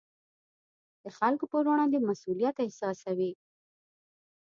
د خلکو پر وړاندې مسوولیت احساسوي.